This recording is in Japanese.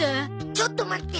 ちょっと待って。